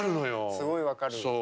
すごい分かる。